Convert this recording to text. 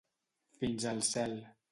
Fins al cel.